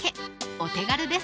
お手軽です